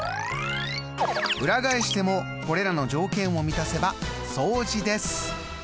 裏返してもこれらの条件を満たせば相似です。